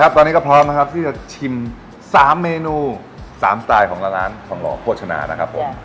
ตอนนี้ก็พร้อมที่จะชิม๓ชามจากร้านทองหล่อโภชนากัน